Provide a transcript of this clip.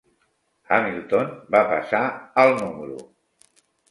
Hamilton va passar al núm.